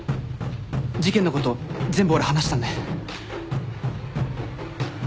事件のこと全部俺話したんで。